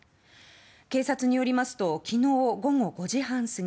警察によりますと昨日午後５時半過ぎ